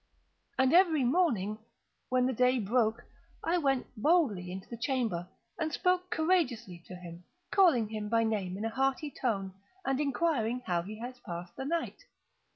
And every morning, when the day broke, I went boldly into the chamber, and spoke courageously to him, calling him by name in a hearty tone, and inquiring how he has passed the night.